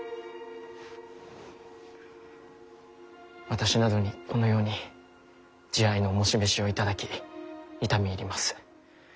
私などにこのように慈愛の思し召しを頂き痛み入ります。